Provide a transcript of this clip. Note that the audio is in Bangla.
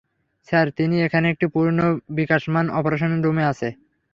স্যার, তিনি এখানে একটি পূর্ণ বিকাশমান অপারেশন রুম আছে।